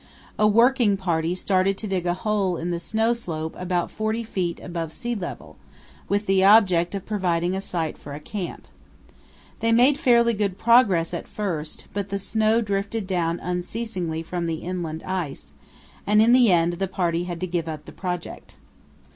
A working party started to dig a hole in the snow slope about forty feet above sea level with the object of providing a site for a camp. They made fairly good progress at first, but the snow drifted down unceasingly from the inland ice, and in the end the party had to give up the project.